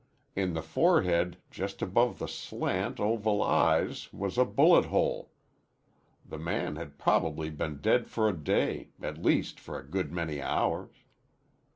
In the forehead, just above the slant, oval eyes, was a bullet hole. The man had probably been dead for a day, at least for a good many hours.